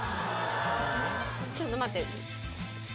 ちょっと待って。